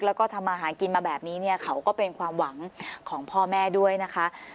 แล้วก็ทำมาหากินมาแบบนี้เนี่ยเขาก็เป็นความหวังของพ่อแม่ด้วยนะคะ